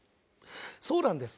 そうなんです。